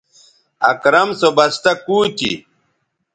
اکرم سو بستہ کُو تھی